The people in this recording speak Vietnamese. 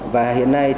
và hiện nay